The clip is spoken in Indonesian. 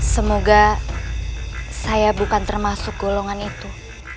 semoga saya bukan termasuk golongan itu